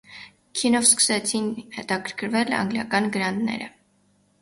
Քինով սկսեցին հետաքրքրվել անգլիական գրանդները։